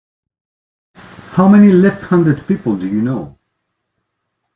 How many left-handed people do you know?